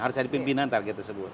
harus ada pimpinan target tersebut